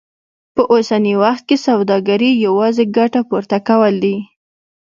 په اوسني وخت کې سوداګري يوازې ګټه پورته کول دي.